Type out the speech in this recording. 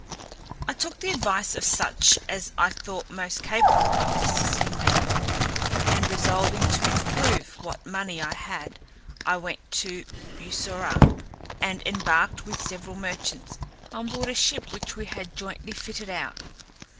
I took the advice of such as I thought most capable of assisting me: and resolving to improve what money I had, I went to Bussorah, and embarked with several merchants on board a ship which we had jointly fitted out.